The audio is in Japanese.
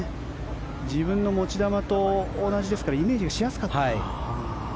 自分の持ち球と同じですからイメージしやすかったと。